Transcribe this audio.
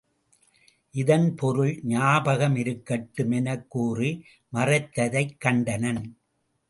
இதன் பொருள் ஞாபகமிருக்கட்டும் எனக் கூறி மறைந்ததைக் கண்டனன்.